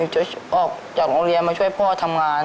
จะออกจากโรงเรียนมาช่วยพ่อทำงาน